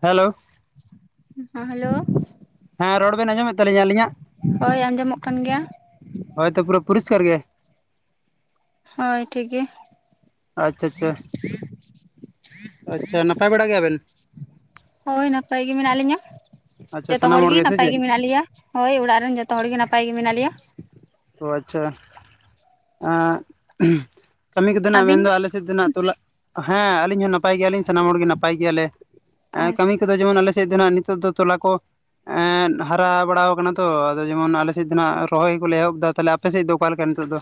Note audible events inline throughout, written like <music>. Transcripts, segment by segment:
Hello ᱦᱮᱸ hello ᱦᱮᱸ ᱨᱚᱲ ᱵᱤᱱ ᱟᱸᱡᱚᱢᱮᱫ ᱛᱟᱹᱞᱤᱧ ᱟᱹᱞᱤᱧᱟᱜ? ᱦᱚᱭ ᱟᱸᱡᱚᱢᱚᱜ ᱠᱟᱱ ᱜᱮᱭᱟ ᱦᱚᱭ ᱛᱚ ᱯᱩᱨᱟᱹ ᱯᱩᱨᱤᱥᱠᱟᱨ ᱜᱮ ᱦᱚᱭ ᱴᱷᱤᱠ ᱜᱮᱭᱟ ᱟᱪ ᱪᱷᱟ ᱪᱷᱟ ᱪᱷᱟ ᱱᱟᱯᱟᱭ ᱵᱟᱲᱟ ᱜᱮᱭᱟᱵᱤᱱ ᱦᱚᱭ ᱱᱟᱯᱟᱭ ᱜᱮ ᱢᱮᱱᱟᱜ ᱞᱤᱧᱟ ᱟᱪᱪᱷᱟ ᱡᱚᱛᱚ ᱦᱚᱲ ᱥᱟᱱᱟᱢ ᱜᱮ ᱥᱮ ᱱᱟᱯᱟᱭ ᱜᱮ ᱪᱮᱫ ᱢᱮᱱᱟᱜ ᱞᱮᱭᱟ ᱦᱚᱭ ᱚᱲᱟᱜ ᱨᱮᱱ ᱡᱚᱛᱚ ᱦᱚᱲ ᱜᱮ ᱱᱟᱯᱟᱭ ᱜᱮ ᱢᱮᱱᱟᱜ ᱞᱮᱭᱟ ᱚ ᱟᱪ ᱪᱷᱟ ᱠᱟᱹᱢᱤ ᱠᱚᱫᱚ ᱱᱟᱜ ᱟᱹᱵᱤᱱ ᱢᱮᱱᱫᱚ ᱟᱞᱮ ᱥᱮᱫ ᱫᱚᱦᱱᱟᱜ ᱛᱩᱞᱞᱟ ᱦᱮᱸ ᱟᱹᱞᱤᱧ ᱦᱚᱸ ᱱᱟᱯᱟᱭ ᱜᱮᱭᱟᱞᱤᱧ ᱥᱟᱱᱟᱢ ᱦᱚᱲᱜᱮ ᱱᱟᱯᱟᱭ ᱜᱮᱭᱟᱞᱮ ᱦᱮᱸ ᱠᱟᱹᱢᱤ ᱠᱚᱫᱚ ᱡᱮᱢᱚᱱ ᱟᱞᱮ ᱥᱮᱫ ᱫᱚ ᱦᱟᱜ ᱱᱤᱛᱚᱜ ᱫᱚ ᱛᱚᱞᱟ ᱠᱚ ᱮᱜ ᱦᱟᱨᱟ ᱵᱟᱲᱟ ᱟᱠᱟᱱᱟ ᱛᱚ ᱟᱫᱚ ᱡᱮᱢᱚᱱ ᱟᱞᱮᱥᱮᱫ ᱫᱚ ᱱᱟᱜ ᱨᱚᱦᱚᱭ ᱜᱮᱠᱚ ᱮᱦᱚᱵ ᱫᱚ ᱛᱟᱦᱚᱞᱮ ᱟᱯᱮ ᱥᱮᱫ ᱫᱚ ᱚᱠᱟᱞᱮᱠᱟ ᱱᱤᱛᱚᱜ ᱫᱚ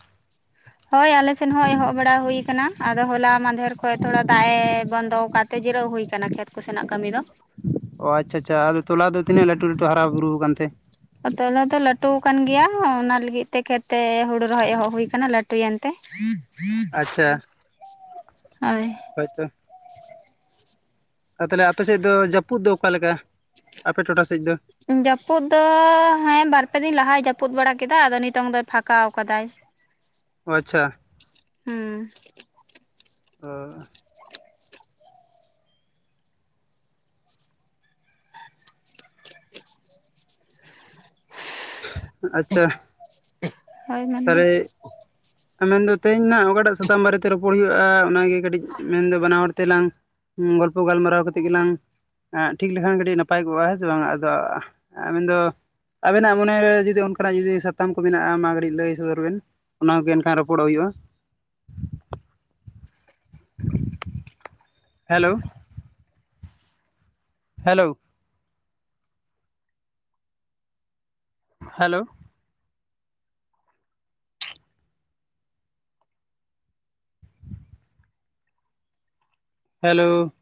ᱦᱳᱭ ᱟᱞᱮᱥᱮᱫ ᱦᱚᱸ ᱮᱦᱚᱵ ᱵᱟᱲᱟ ᱦᱩᱭ ᱟᱠᱟᱱᱟ ᱟᱫᱚ ᱦᱚᱞᱟ ᱢᱟᱫᱷᱮᱨ ᱠᱷᱚᱱ ᱛᱷᱚᱲᱟ ᱫᱟᱜ ᱮ ᱵᱚᱱᱫᱚ ᱟᱠᱟᱫ ᱛᱮ ᱡᱤᱨᱟᱹᱣ ᱦᱩᱭ ᱟᱠᱟᱱᱟ ᱠᱷᱮᱛ ᱠᱚᱥᱮᱱᱟᱜ ᱠᱟᱹᱢᱤ ᱫᱚ ᱚ ᱟᱪᱪᱷᱟ ᱟᱪᱷᱟ ᱟᱫᱚ ᱛᱚᱞᱟ ᱛᱤᱱᱟᱹᱜ ᱞᱟᱴᱩ ᱞᱟᱴᱩ ᱦᱟᱨᱟ ᱵᱩᱨᱩ ᱟᱠᱟᱱᱛᱮ ᱛᱚᱞᱟ ᱫᱚ ᱞᱟᱹᱴᱩᱣ ᱟᱠᱟᱱ ᱜᱮᱭᱟ ᱚᱱᱟ ᱞᱟᱹᱜᱤᱫ ᱛᱮ ᱠᱷᱮᱛ ᱛᱮ ᱦᱩᱲᱩ ᱨᱚᱦᱚᱭ ᱮᱦᱚᱵ ᱦᱩᱭ ᱟᱠᱟᱱᱟ ᱞᱟᱴᱩᱭᱮᱱ ᱛᱮ ᱦᱚᱭ ᱦᱳᱭᱛᱳ ᱟᱨ ᱛᱟᱦᱚᱞᱮ ᱟᱯᱮ ᱥᱮᱫ ᱫᱚ ᱡᱟᱹᱯᱩᱫ ᱫᱚ ᱚᱠᱟ ᱞᱮᱠᱟ ᱟᱯᱮ ᱴᱚᱴᱷᱟ ᱥᱮᱫ ᱫᱚ ᱡᱟᱹᱯᱩᱫ ᱫᱚ ᱦᱮᱸ ᱵᱟᱨᱯᱮ ᱫᱤᱱ ᱞᱟᱦᱟᱭ ᱡᱟᱹᱯᱩᱫ ᱵᱟᱲᱟ ᱠᱮᱫᱟ ᱟᱫᱚ ᱱᱤᱛᱚᱝ ᱫᱚᱭ ᱯᱷᱟᱠᱟᱣ ᱟᱠᱟ ᱫᱟᱭ <inaudible> ᱚ ᱟᱪ ᱪᱷᱟ ᱚ ᱟᱪ ᱪᱷᱟ ᱦᱳᱭ ᱢᱮᱱᱵᱮᱱ ᱛᱟᱨᱮ <inaudible> ᱢᱮᱱᱫᱚ ᱛᱮᱦᱮᱧ ᱦᱟᱸᱜ ᱚᱠᱟᱴᱟᱜ ᱥᱟᱛᱟᱢ ᱵᱟᱨᱮᱛᱮ ᱨᱚᱯᱚᱲ ᱦᱩᱭᱩᱜᱼᱟ ᱚᱱᱟᱜᱮ ᱠᱟᱹᱴᱤᱡ ᱢᱮᱱᱫᱚ ᱵᱟᱱᱟ ᱦᱚᱲ ᱛᱮᱞᱟᱝ ᱜᱚᱞᱯᱚ ᱜᱟᱞᱢᱟᱨᱟᱣ ᱠᱟᱛᱮᱜ ᱜᱮᱞᱟᱝ ᱴᱷᱤᱠ ᱞᱮᱠᱷᱟᱱ ᱠᱟᱹᱴᱤᱡ ᱱᱟᱯᱟᱭ ᱠᱚᱜᱼᱟ ᱦᱮᱸ ᱥᱮ ᱵᱟᱝ ᱟᱫᱚ ᱟ. ᱵᱤᱱ ᱫᱚ ᱟᱵᱮᱱᱟᱜ ᱢᱚᱱᱮᱨᱮ ᱡᱩᱫᱤ ᱚᱱᱠᱟᱱᱟᱜ ᱡᱩᱫᱤ ᱥᱟᱛᱟᱢ ᱠᱚ ᱢᱮᱱᱟᱜᱼᱟ ᱢᱟ ᱠᱟᱹᱴᱤᱡ ᱞᱟᱹᱭ ᱥᱚᱫᱚᱨ ᱵᱮᱱ ᱚᱱᱟᱜᱮ ᱮᱱᱠᱷᱟᱱ ᱨᱚᱯᱚᱲᱚᱜ ᱦᱩᱭᱩᱜᱼᱟ ᱦᱮᱞᱳ ᱦᱮᱞᱳ ᱦᱮᱞᱳ ᱦᱮᱞᱳ